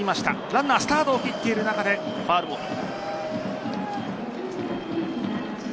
ランナー、スタートを切っている中でファウルボール。